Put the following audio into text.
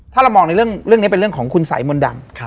ถ้าเรามองในเรื่องนี้เป็นเรื่องของคุณสายมนต์ดำ